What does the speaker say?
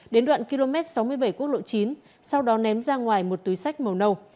đến đoạn km sáu mươi bảy quốc lộ chín sau đó ném ra ngoài một túi sách màu nâu